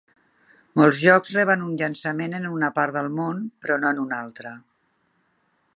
Molts jocs reben un llançament en una part del món, però no en un altre.